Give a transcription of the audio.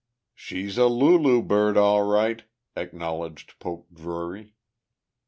"She's a Lu lu bird, all right," acknowledged Poke Drury.